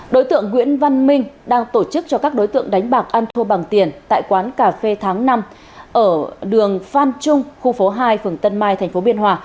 đối tượng nguyễn văn minh đang tổ chức cho các đối tượng đánh bạc ăn thua bằng tiền tại quán cà phê tháng năm ở đường phan trung khu phố hai phường tân mai tp biên hòa